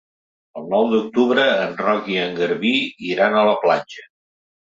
El nou d'octubre en Roc i en Garbí iran a la platja.